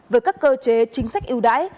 với các cơ chế chính sách ưu đãi